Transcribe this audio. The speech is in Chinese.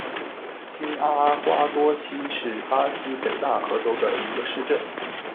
新阿瓜多西是巴西北大河州的一个市镇。